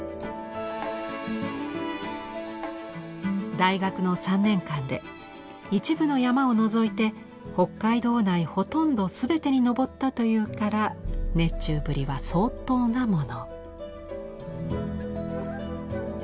大学の３年間で一部の山を除いて北海道内ほとんど全てに登ったというから熱中ぶりは相当なもの。